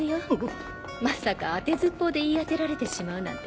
まさか当てずっぽうで言い当てられてしまうなんてね。